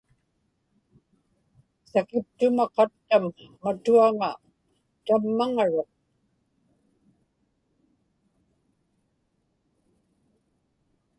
sakiptuma qattam matuaŋa tammaŋaruq